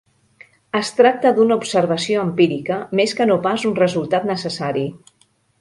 Es tracta d'una observació empírica més que no pas un resultat necessari.